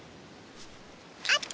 あった！